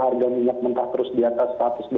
harga minyak mentah terus di atas rp seratus